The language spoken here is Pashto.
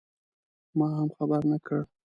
ما هم خبر نه کړ.